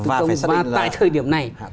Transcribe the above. và tại thời điểm này